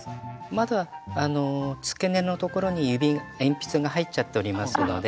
まだ付け根のところに鉛筆が入っちゃっておりますので。